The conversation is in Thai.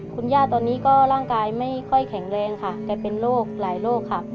คุณย่าตอนนี้ก็ร่างกายไม่ค่อยแข็งแรงค่ะแกเป็นโรคหลายโรคค่ะ